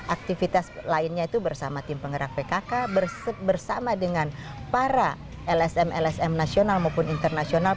aktivitas lainnya itu bersama tim penggerak pkk bersama dengan para lsm lsm nasional maupun internasional